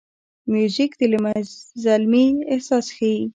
موزیک د زلمي احساس ښيي.